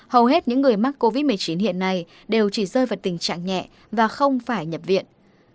hầu hết những người mắc covid một mươi chín hiện nay đều chỉ rơi vào tình trạng nhẹ và không phải nhập viện